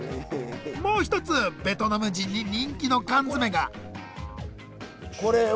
もう一つベトナム人に人気の缶詰が。